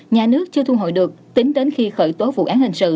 nhà nước chưa thu hồi được tính đến khi khởi tố vụ án hình sự